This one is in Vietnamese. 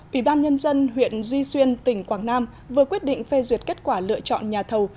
ủy ban nhân dân huyện duy xuyên tỉnh quảng nam vừa quyết định phê duyệt kết quả lựa chọn nhà thầu